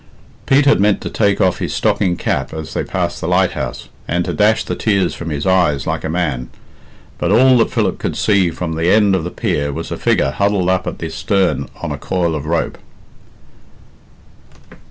Pete had meant to take off his stocking cap as they passed the lighthouse, and to dash the tears from his eyes like a man. But all that Philip could see from the end of the pier was a figure huddled up at the stern on a coil of rope.